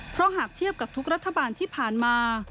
เพราะหากเทียบกับทุกรัฐบาลที่ผ่านมา